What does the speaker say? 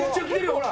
ほら